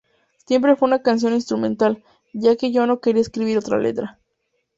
Siempre fue una canción instrumental, ya que yo no quería escribir otra letra.